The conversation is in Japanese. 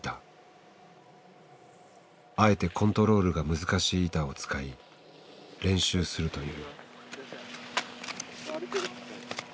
あえてコントロールが難しい板を使い練習するという。